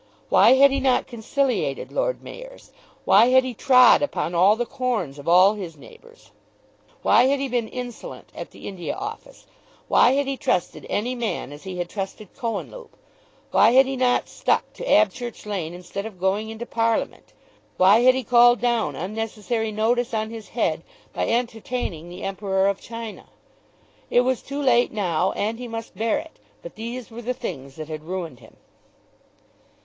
Why had he not conciliated Lord Mayors? Why had he trod upon all the corns of all his neighbours? Why had he been insolent at the India Office? Why had he trusted any man as he had trusted Cohenlupe? Why had he not stuck to Abchurch Lane instead of going into Parliament? Why had he called down unnecessary notice on his head by entertaining the Emperor of China? It was too late now, and he must bear it; but these were the things that had ruined him.